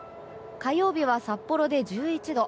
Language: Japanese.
火曜日は札幌で１１度。